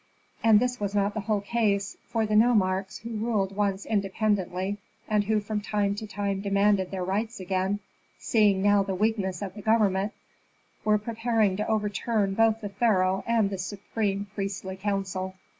And that was not the whole case, for the nomarchs, who ruled once independently, and who from time to time demanded their rights again, seeing now the weakness of the government, were preparing to overturn both the pharaoh and the supreme priestly council.